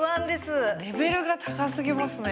レベルが高すぎますね。